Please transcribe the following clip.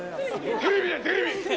テレビだよ、テレビ。